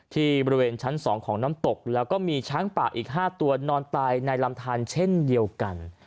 ที่บริเวณชั้น๒ของน้ำตกแล้วก็มีช้างป่าอีก๕ตัวนอนตายในลำทานเช่นเดียวกัน